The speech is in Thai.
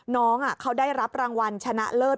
น้องเขาได้รับรางวัลชนะเลิศ